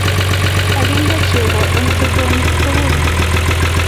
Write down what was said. Kakinde chego eng sotonik tugul